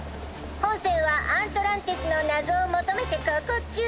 ほんせんはアントランティスのなぞをもとめてこうこうちゅう。